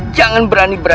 jangan berani kemana mana